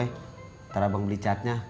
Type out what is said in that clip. ntar abang beli catnya